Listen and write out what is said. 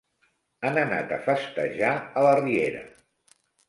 Han anat a festejar a la riera.